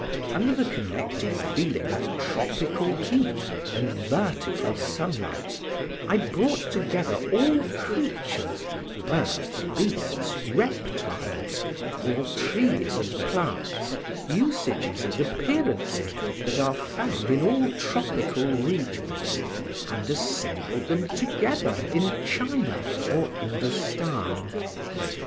Under the connecting feeling of tropical heat and vertical sunlights I brought together all creatures, birds, beasts, reptiles, all trees and plants, usages and appearances, that are found in all tropical regions, and assembled them together in China or Indostan.